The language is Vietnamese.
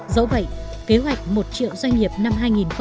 dẫu vậy kế hoạch một triệu doanh nghiệp năm hai nghìn hai mươi